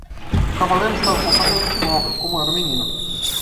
O cavaleiro estava completamente imóvel? como era o menino.